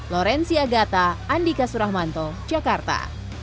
lorenzi agata andika suramanto jakarta